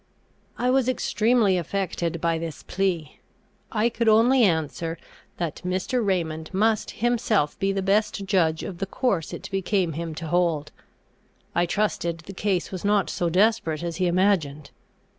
I Was extremely affected by this plea. I could only answer, that Mr. Raymond must himself be the best judge of the course it became him to hold; I trusted the case was not so desperate as he imagined.